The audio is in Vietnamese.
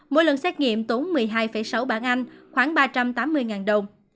mỗi lần xét nghiệm tốn một mươi hai sáu bảng anh khoảng ba trăm tám mươi đồng